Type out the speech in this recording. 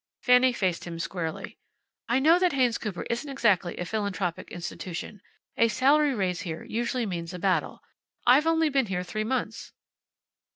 Fanny faced him squarely. "I know that Haynes Cooper isn't exactly a philanthropic institution. A salary raise here usually means a battle. I've only been here three months."